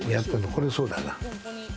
これそうだな。